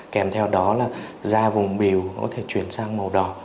kèm theo đó là da vùng biểu có thể chuyển sang màu đỏ